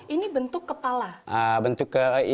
ini bentuk kepala